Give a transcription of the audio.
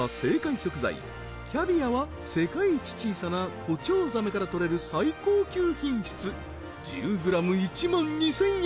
食材キャビアは世界一小さなコチョウザメから採れる最高級品質１０ｇ１万２０００円